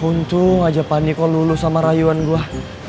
untung aja pak niko lulus sama rayuan gua